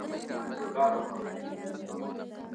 پلار مي ويلي وو چي شفق مياشتنۍ راوړم.